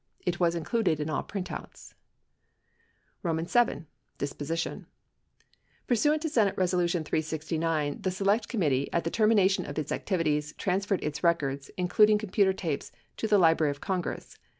It was included in all printouts. VII. DISPOSITION Pursuant to Senate Resolution 369, the Select Committee at the termination of its activities transferred its records, including com puter tapes, to the Library of Congress.